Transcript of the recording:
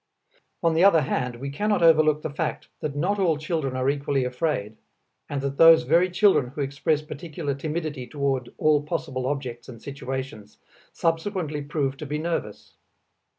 On the other hand, we cannot overlook the fact that not all children are equally afraid, and that those very children who express particular timidity toward all possible objects and situations subsequently prove to be nervous.